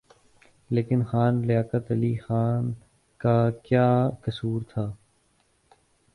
لیکن خان لیاقت علی خان کا کیا قصور تھا؟